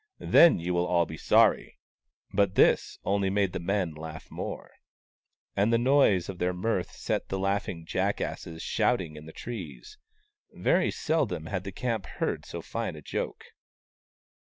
Then you will all be sorry !" But this only made the men laugh more. 52 WAUNG, THE CROW and the noise of their mirth set the laughing jack asses shouting in the trees. Very seldom had the camp heard so fine a joke.